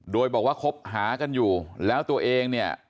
โดยบอกว่าคบหากันอยู่แล้วตัวเองเนี่ย